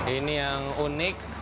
ini yang unik